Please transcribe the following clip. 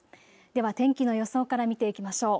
では天気の予想から見ていきましょう。